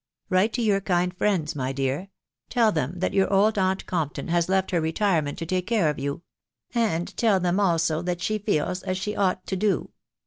Write to your kind friends, my dear ; tell them that your did aunt Compton has left her retirement to take care of you, and tell them also that she feels as she ought to do.